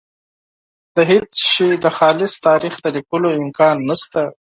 د هېڅ شي د خالص تاریخ د لیکلو امکان نشته.